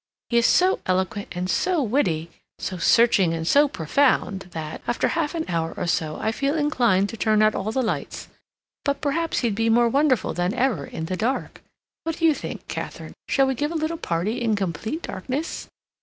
He is so eloquent and so witty, so searching and so profound that, after half an hour or so, I feel inclined to turn out all the lights. But perhaps he'd be more wonderful than ever in the dark. What d'you think, Katharine? Shall we give a little party in complete darkness?